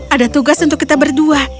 ada tugas untuk kita berdua